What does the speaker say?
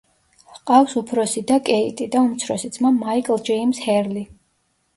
ჰყავს უფროსი და კეიტი, და უმცროსი ძმა მაიკლ ჯეიმზ ჰერლი.